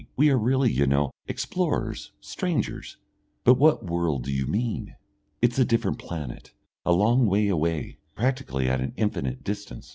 We are really, you know, explorers, strangers " "But what world do you mean?" "It's a different planet a long way away. Practically at an infinite distance."